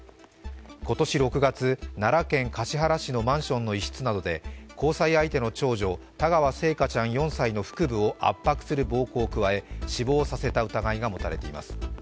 今年６月、奈良県橿原市のマンションの一室などで交際相手の長女、田川星華ちゃん４歳の腹部を圧迫する暴行を加え死亡させた疑いが持たれています。